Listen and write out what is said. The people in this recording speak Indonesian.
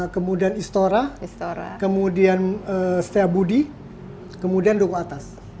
kemudian istora kemudian setia budi kemudian duku atas